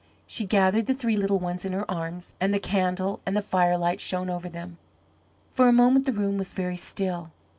She gathered the three little ones in her arms and the candle and the fire light shone over them. For a moment the room was very still.